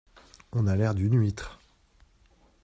On a l’air d’une huître !